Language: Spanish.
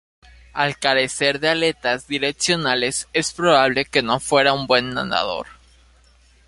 Al carecer de aletas direccionales, es probable que no fuera un buen nadador.